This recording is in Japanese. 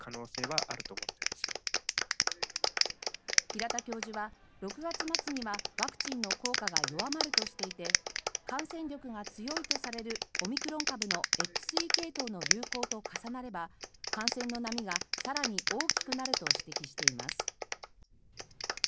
平田教授は６月末にはワクチンの効果が弱まるとしていて感染力が強いとされるオミクロン株のＸＥ系統の流行と重なれば、感染の波が更に大きくなると指摘しています。